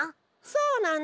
そうなんだ。